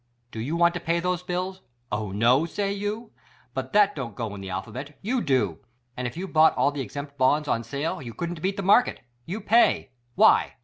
Do yoii want to pay those bills? Oh, no! say you. But that don't go in the alphabet; you do! And if you bought all the exempt bonds on sale you couldn't beat the market; you pay! Why?